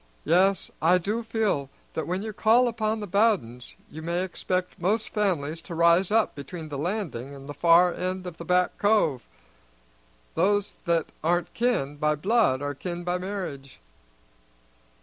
Yes, I do feel that when you call upon the Bowdens you may expect most families to rise up between the Landing and the far end of the Back Cove. Those that aren't kin by blood are kin by marriage."